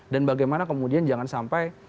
dan bagaimana kemudian jangan sampai